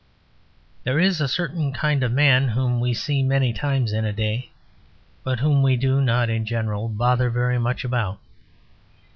There is a certain kind of man whom we see many times in a day, but whom we do not, in general, bother very much about.